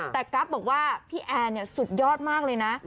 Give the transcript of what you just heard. แต่กราฟบอกว่าพี่แอนสุดยอดมากเลยนะ